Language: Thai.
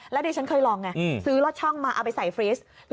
แล้วดิฉันเคยลองไงซื้อลอดช่องมาเอาไปใส่ฟรีส